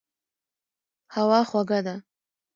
هوا خوږه ده.